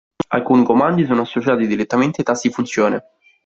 Alcuni comandi sono associati direttamente ai tasti funzione.